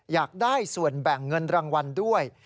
อยากได้ส่วนแบ่งเงินรางวัลด้วย